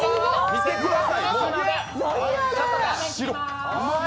見てください。